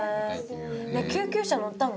ねぇ救急車乗ったの？